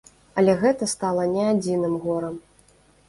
Але гэта стала не адзіным горам.